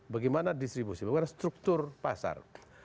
bagaimana distribusi bagaimana struktur pasar